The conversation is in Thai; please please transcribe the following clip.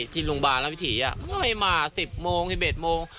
ที่โรงพยาบาลแล้วพิธีอ่ะมันก็ไม่มา๑๐โมงที่๑๑โมง